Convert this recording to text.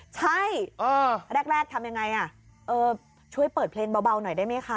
ใช่แรกทำยังไงช่วยเปิดเพลงเบาหน่อยได้ไหมคะ